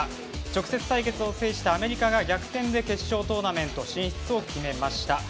直接対決を制したアメリカが逆転で決勝トーナメント進出を決めました。